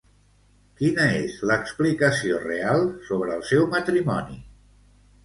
Quina és l'explicació real sobre el seu matrimoni?